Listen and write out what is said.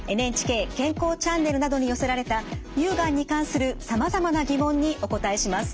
ＮＨＫ健康チャンネルなどに寄せられた乳がんに関するさまざまな疑問にお答えします。